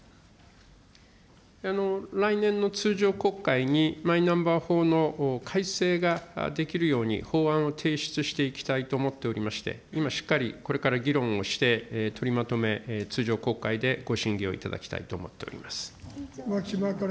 来年の通常国会に、マイナンバー法の改正ができるように、法案を提出していきたいと思っておりまして、今、しっかり、これから議論をして取りまとめ、通常国会でご審議をいただきたいと思っております。